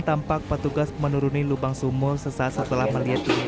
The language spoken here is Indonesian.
tampak petugas menuruni lubang sumur sesaat setelah melihat ini